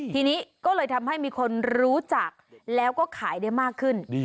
ทีนี้ก็เลยทำให้มีคนรู้จักแล้วก็ขายได้มากขึ้น